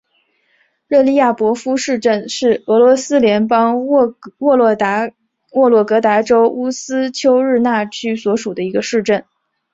热利亚博夫镇市镇是俄罗斯联邦沃洛格达州乌斯秋日纳区所属的一个市镇。